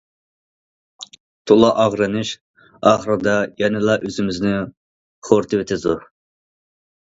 تولا ئاغرىنىش، ئاخىرىدا يەنىلا ئۆزىمىزنى خورىتىۋېتىدۇ.